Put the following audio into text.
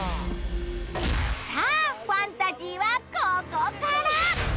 さあファンタジーはここから。